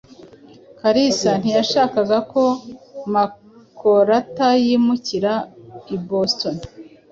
Kalisa ntiyashakaga ko Makorata yimukira i Boston.